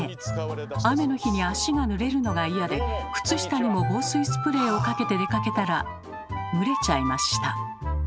雨の日に足がぬれるのが嫌で靴下にも防水スプレーをかけて出かけたら蒸れちゃいました。